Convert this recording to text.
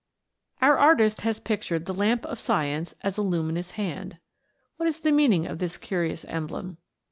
THE WONDERFUL LAMP. 337 Our artist has pictured the lamp of science as a luminous hand. What is the meaning of this curious emblem